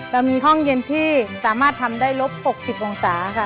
เรามีห้องเย็นที่สามารถทำได้ลบ๖๐องศาค่ะ